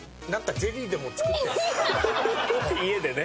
家でね。